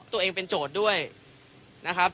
ตัวเองเป็นโจทย์ด้วยนะครับ